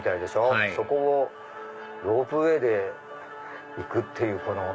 はいそこをロープウエーで行くっていうこの。